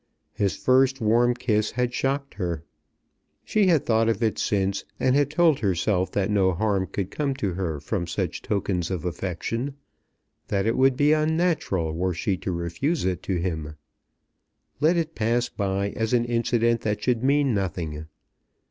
His first warm kiss had shocked her. She had thought of it since, and had told herself that no harm could come to her from such tokens of affection, that it would be unnatural were she to refuse it to him. Let it pass by as an incident that should mean nothing.